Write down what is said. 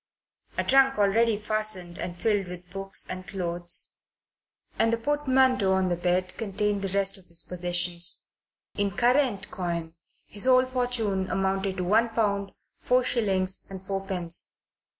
A trunk already fastened and filled with books and clothes, and the portmanteau on the bed, contained the rest of his possessions. In current coin his whole fortune amounted to one pound, four shillings and fourpence.